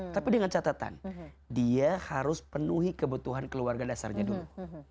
tapi dengan catatan dia harus penuhi kebutuhan keluarga dasarnya dulu